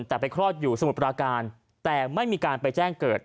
แต่ไปคลอดอยู่สมุทรปราการแต่ไม่มีการไปแจ้งเกิด